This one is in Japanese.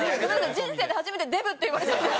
人生で初めて「デブ」って言われたんですけど。